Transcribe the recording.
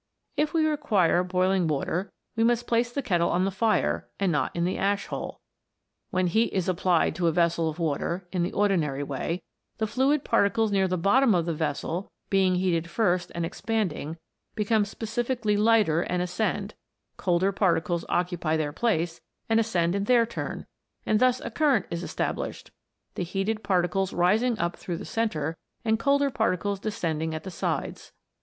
If we require boiling water we must place the kettle on the fire, and not in the ash hole. When heat is applied to a vessel of water, in the ordinary way, the fluid particles near the bottom of the vessel, being heated first and expanding, become specifically lighter and ascend ; colder particles occupy their place, and ascend in their turn ; and thus a current is established, the heated particles rising up through the centre, and colder particles descending at the sides.